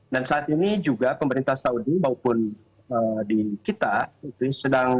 dan saat ini juga pemerintah saudi maupun kita sedang berdiskusi bahwa